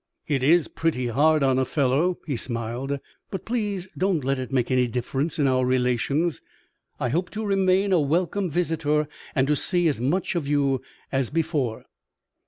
"It is pretty hard on a fellow," he smiled, "but please don't let it make any difference in our relations. I hope to remain a welcome visitor and to see as much of you as before."